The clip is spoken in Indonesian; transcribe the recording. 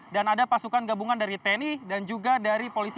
dan ada pasukan gabungan dari tni dan juga dari polisi